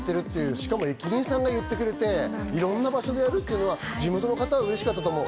しかも駅員さんが言ってくれていろんな場所でやるってのは地元の方はうれしかったと思う。